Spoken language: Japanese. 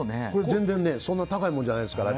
全然、そんな高いものじゃないですから。